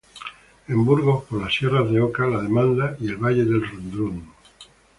En Burgos por las sierras de Oca, la Demanda y el Valle del Rudrón.